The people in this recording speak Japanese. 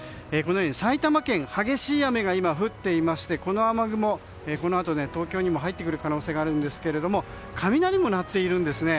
埼玉県激しい雨が降っていましてこの雨雲、このあと東京にも入ってくる可能性がありますが雷も鳴っているんですね。